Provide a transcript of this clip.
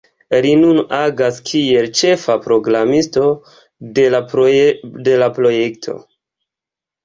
Li nun agas kiel ĉefa programisto de la projekto.